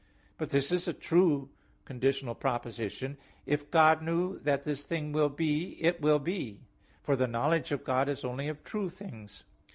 But this is a true conditional proposition, "If God knew that this thing will be, it will be," for the knowledge of God is only of true things.